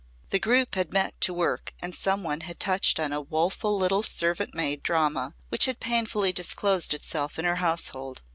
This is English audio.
The group had met to work and some one had touched on a woeful little servant maid drama which had painfully disclosed itself in her household.